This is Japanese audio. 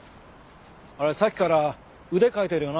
さっきから腕かいてるよな。